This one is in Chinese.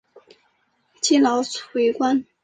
积劳卒于官。